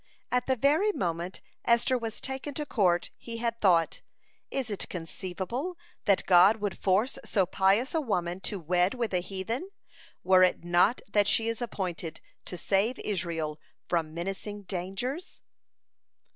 At the very moment Esther was taken to court, he had thought: "Is it conceivable that God would force so pious a woman to wed with a heathen, were it not that she is appointed to save Israel from menacing dangers?"